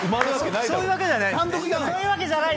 そういうわけではない？